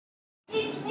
１２！